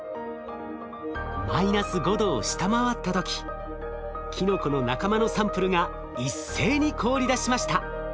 マイナス５℃を下回った時キノコの仲間のサンプルが一斉に凍りだしました。